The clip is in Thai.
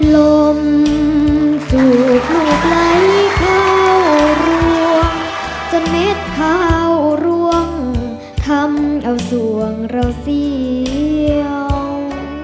ลมสู้ไหลเข้ารวงจะเม็ดขาวร่วงทำเอาส่วงเราเสียว